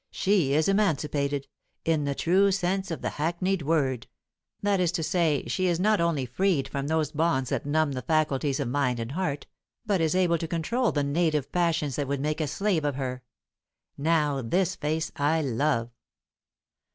She is 'emancipated,' in the true sense of the hackneyed word; that is to say, she is not only freed from those bonds that numb the faculties of mind and heart, but is able to control the native passions that would make a slave of her. Now, this face I love."